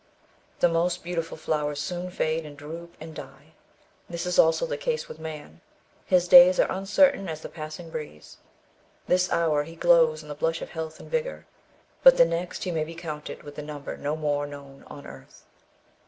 The most beautiful flowers soon fade, and droop, and die; this is also the case with man; his days are uncertain as the passing breeze. This hour he glows in the blush of health and vigour, but the next he may be counted with the number no more known on earth.